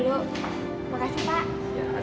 terima kasih pak